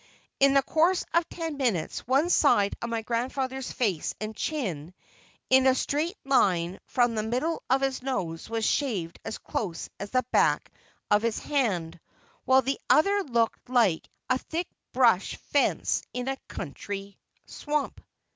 In the course of ten minutes one side of my grandfather's face and chin, in a straight line from the middle of his nose, was shaved as close as the back of his hand, while the other looked like a thick brush fence in a country swamp.